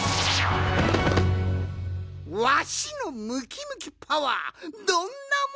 わしのムキムキパワーどんなもんじゃい！